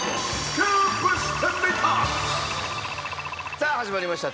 さあ始まりました